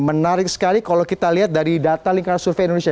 menarik sekali kalau kita lihat dari data lingkaran survei indonesia